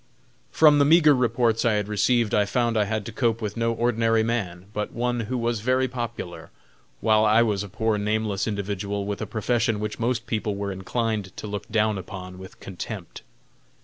From the meagre reports I had received I found I had to cope with no ordinary man, but one who was very popular, while I was a poor nameless individual, with a profession which most people were inclined to look down upon with contempt.